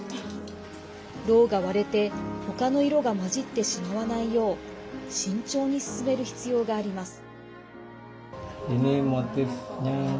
ろうが割れて、ほかの色が混じってしまわないよう慎重に進める必要があります。